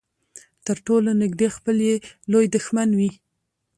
تر ټولو نږدې خپل يې لوی دښمن وي.